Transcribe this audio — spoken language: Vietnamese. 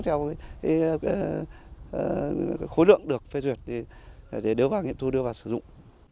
sau khi khối lượng được phê duyệt thì đưa vào nghiệm thu đưa vào sử dụng